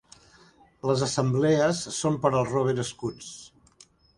Les assemblees són per als Rover Scouts.